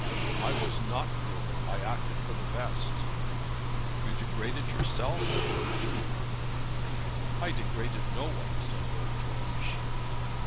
"I was not cruel; I acted for the best." "You degraded yourself, and her too." "I degraded no one," said Lord George.